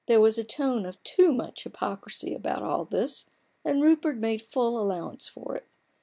There was a tone of too much hypocrisy about all this, and Rupert made full allowance for it.